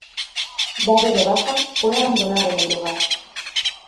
Dado de baja, fue abandonado en el lugar.